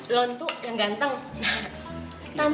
lontu yang ganteng